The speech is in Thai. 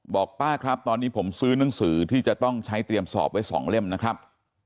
บอกป้าครับตอนนี้ผมซื้อหนังสือที่จะต้องใช้เตรียมสอบไว้๒เล่มนะครับ